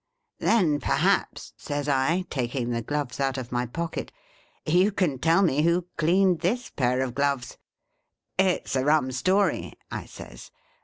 ' Then, perhaps,' says I, taking the gloves out of my pocket, 'you can tell me who cleaned this pair of gloves 1 It 's a rum story,' I says.